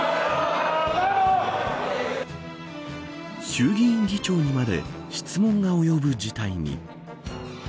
衆議院議長にまで質問が及ぶ事態に。